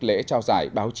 lễ trao giải báo chí